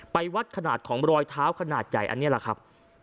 ไปวัดขนาดของรอยเท้าขนาดใหญ่อันนี้แหละครับ